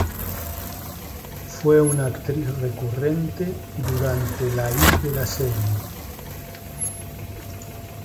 Fue una actriz recurrente durante la y de la serie.